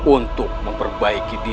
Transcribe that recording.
untuk memperbaiki diri